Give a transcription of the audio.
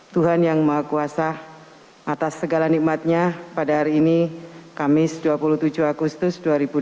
tuhan yang maha kuasa atas segala nikmatnya pada hari ini kamis dua puluh tujuh agustus dua ribu dua puluh